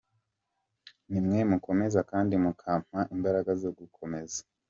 Nimwe munkomeza kandi mukampa imbaraga zo gukomeza.